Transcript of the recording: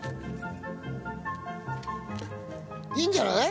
いいんじゃない？